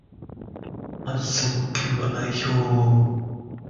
During the First World War, he taught at Geneva Conservatory.